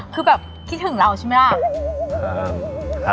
คือแบบคิดถึงเราใช่ไหมล่ะ